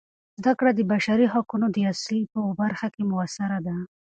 زده کړه د بشري حقونو د اصل په برخه کې مؤثره ده.